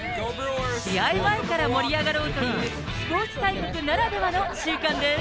試合前から盛り上がろうという、スポーツ大国ならではの習慣です。